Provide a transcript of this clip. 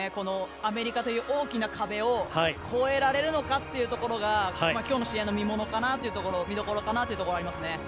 アメリカという大きな壁を超えられるのかというところが今日の試合の見どころかなというところはありますね。